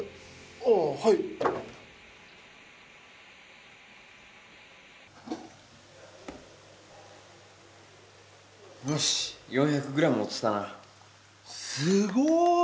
あぁはいよし４００グラム落ちたなすごい！